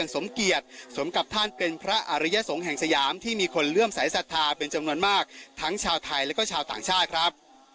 สมเกียจสมกับท่านเป็นพระอริยสงฆ์แห่งสยามที่มีคนเลื่อมสายศรัทธาเป็นจำนวนมากทั้งชาวไทยและก็ชาวต่างชาติครับ